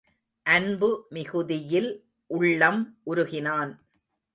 அன்பு மிகுதியில் உள்ளம் உருகினான்.